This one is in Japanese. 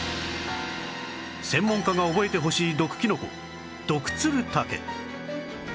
専門家が覚えてほしい毒キノコドクツルタケ